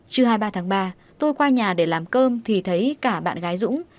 trưa hai mươi ba tháng ba tôi qua nhà để làm cơm thì thấy cả bạn gái dũng